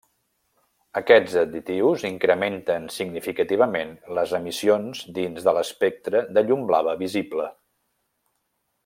Aquests additius incrementen significativament les emissions dins de l'espectre de llum blava visible.